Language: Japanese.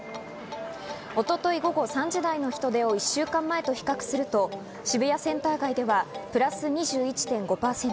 一昨日、午後３時台の人出を１週間前と比較すると渋谷センター街ではプラス２１．５％。